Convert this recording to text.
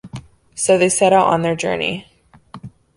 So they set out on their journey.